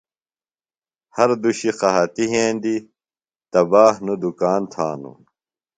ہر دوشیۡ قحطیۡ یھندیۡ، تباہ نوۡ دُکان تھانوۡ